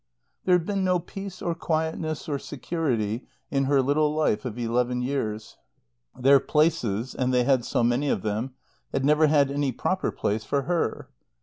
There had been no peace or quietness or security in her little life of eleven years. Their places (and they had had so many of them!) had never had any proper place for her.